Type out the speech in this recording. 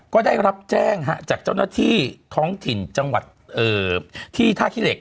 ก็ได้รับแจ้งจากเจ้าหน้าที่ท้องถิ่นจังหวัดที่ท่าขี้เหล็ก